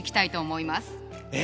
え？